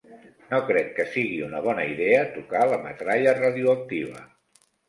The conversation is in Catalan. No crec que sigui una bona idea tocar la metralla radioactiva.